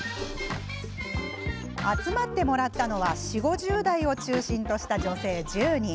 集まってもらったのは４０、５０代を中心とした女性１０人。